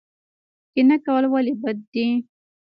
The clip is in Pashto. کینه کول ولې بد دي؟